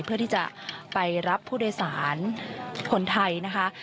เพื่อที่จะไปรับผู้โดยสารคนไทยนะคะ